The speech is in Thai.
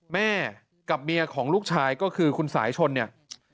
แม่กับเมียของลูกชายก็คือคุณสายชนเนี่ย